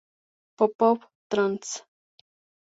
Popov; Trans.